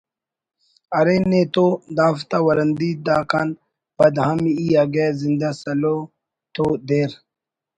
ارے نے تو دافتا ورندی دا کان پد ہم ای اگہ زندہ سلو تو دیر